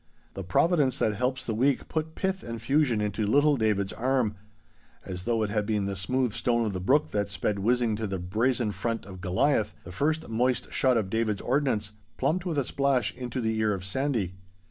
The providence that helps the weak put pith and fusion into little David's arm. As though it had been the smooth stone of the brook that sped whizzing to the brazen front of Goliath, the first moist shot of David's ordnance plumped with a splash into the ear of Sandy.